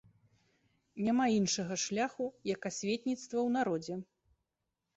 Няма іншага шляху, як асветніцтва ў народзе.